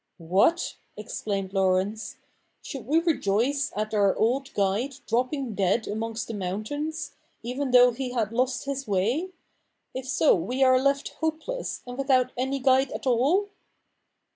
' What !' exclaimed Laurence, ' should we rejoice at our old guide dropping dead amongst the mountains, even though he had lost his way ; if so we are left hope less, and without any guide at all?